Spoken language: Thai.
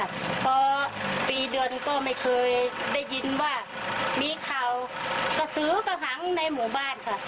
เพราะปีเดือนก็ไม่เคยได้ยินว่ามีข่าวกระสือกระหังในหมู่บ้านค่ะ